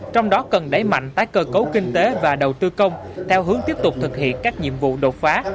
trong đó cần đẩy mạnh tái cơ cấu kinh tế và đầu tư công theo hướng tiếp tục thực hiện các nhiệm vụ đột phá